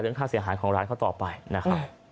เรื่องค่าเสียหายของร้านเขาต่อไปนะฮะ